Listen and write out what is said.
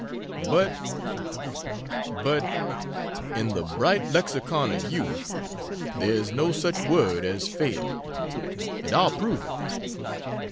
But but "In the bright lexicon of youth, There's no such word as Fail " and I'll prove it!